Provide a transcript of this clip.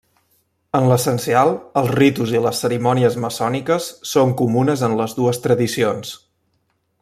En l'essencial, els ritus i les cerimònies maçòniques són comunes en les dues tradicions.